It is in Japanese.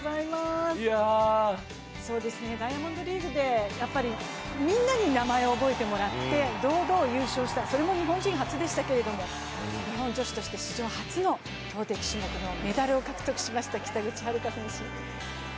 ダイヤモンドリーグでみんなに名前を覚えてもらって堂々優勝した、それも日本人初でしたけど日本女子として史上初の投てき種目のメダルを獲得しました。